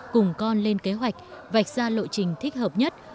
cùng con lên kế hoạch vạch ra lộ trình thích hợp nhất